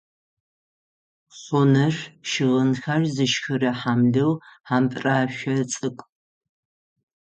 Хъуныр - щыгъынхэр зышхырэ хьамлыу, хьампӏырэшъо цӏыкӏу.